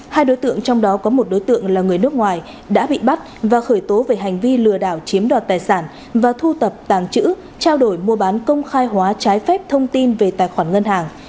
hai đối tượng trong đó có một đối tượng là người nước ngoài đã bị bắt và khởi tố về hành vi lừa đảo chiếm đoạt tài sản và thu tập tàng chữ trao đổi mua bán công khai hóa trái phép thông tin về tài khoản ngân hàng